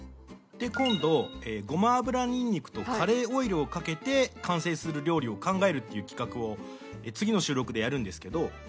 今度ごま油にんにくとカレーオイルをかけて完成する料理を考えるっていう企画を次の収録でやるんですけど。